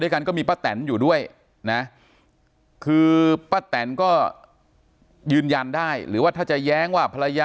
ด้วยกันก็มีป้าแต่นอยู่ด้วย